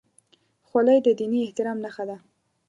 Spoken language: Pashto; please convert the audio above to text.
خولۍ د دیني احترام نښه ده.